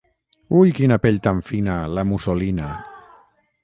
Ui, quina pell tan fina, la mussolina!